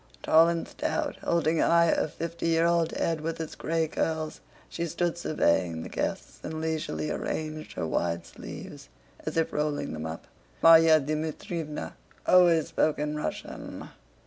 Tall and stout, holding high her fifty year old head with its gray curls, she stood surveying the guests, and leisurely arranged her wide sleeves as if rolling them up. Márya Dmítrievna always spoke in Russian.